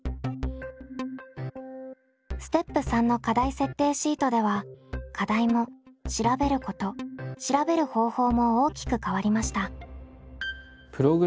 ステップ３の課題設定シートでは課題も調べること調べる方法も大きく変わりました。